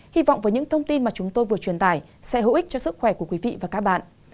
hy vọng với những thông tin mà chúng tôi vừa truyền tải sẽ hữu ích cho sức khỏe của quý vị và các bạn